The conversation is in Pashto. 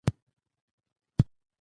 آب وهوا د افغانانو د معیشت سرچینه ده.